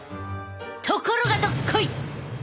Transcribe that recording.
ところがどっこい！